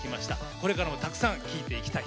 これからもたくさん聴いていきたい。